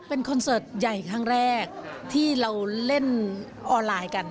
เป็นคอนเสิร์ตใหญ่ครั้งแรกที่เราเล่นออนไลน์กัน